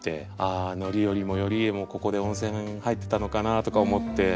あ範頼も頼家もここで温泉入ってたのかなとか思って。